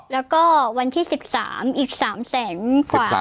แล้วก็วันที่๑๓อีก๓๐๐๐๐๐กว่าค่ะ